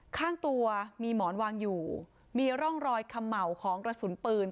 ข้างตัวมีหมอนวางอยู่มีร่องรอยเขม่าของกระสุนปืน